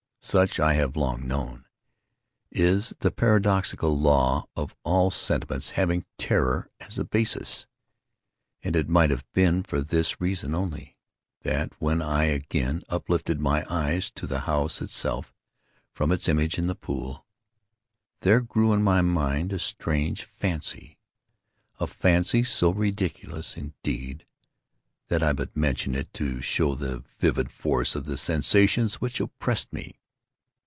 Such, I have long known, is the paradoxical law of all sentiments having terror as a basis. And it might have been for this reason only, that, when I again uplifted my eyes to the house itself, from its image in the pool, there grew in my mind a strange fancy—a fancy so ridiculous, indeed, that I but mention it to show the vivid force of the sensations which oppressed me.